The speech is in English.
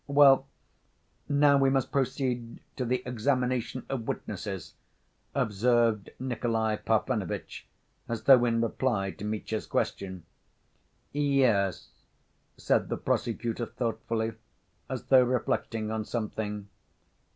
"Well, now we must proceed to the examination of witnesses," observed Nikolay Parfenovitch, as though in reply to Mitya's question. "Yes," said the prosecutor thoughtfully, as though reflecting on something.